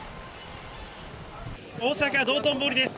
大阪・道頓堀です。